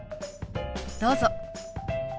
どうぞ。